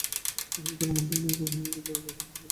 পুরোহিতরা মন্ত্র উচ্চারণপূর্বক হোমাগ্নিতে আহুতি প্রদান করেন।